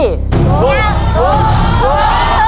ถูก